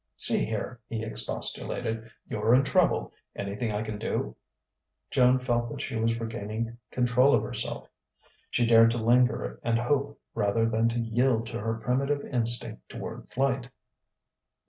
"See here!" he expostulated. "You're in trouble. Anything I can do?" Joan felt that she was regaining control of herself. She dared to linger and hope rather than to yield to her primitive instinct toward flight.